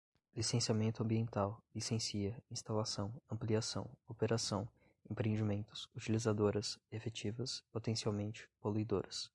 licenciamento ambiental, licencia, instalação, ampliação, operação, empreendimentos, utilizadoras, efetivas, potencialmente, poluidoras